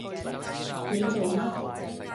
你做乜？